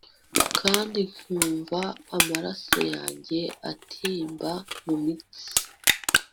Kandi kumva amaraso yanjye atembera mumitsi